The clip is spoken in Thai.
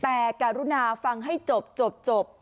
แต่การุณาฟังให้จบ